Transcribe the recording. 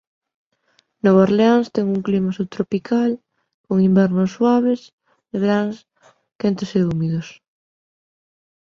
Nova Orleáns ten un clima subtropical con invernos suaves e veráns quentes e húmidos.